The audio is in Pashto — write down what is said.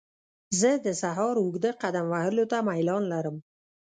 زه د سهار اوږده قدم وهلو ته میلان لرم.